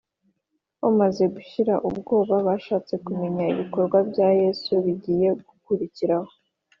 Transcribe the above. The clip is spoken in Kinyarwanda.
bamaze gushira ubwoba, bashatse kumenya ibikorwa bya yesu bigiye gukurikiraho